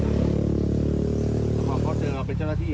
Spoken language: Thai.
แล้วเขาเจอเราเป็นเจ้าหน้าที่อีก